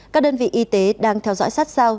các đơn vị y tế đang theo dõi sát sao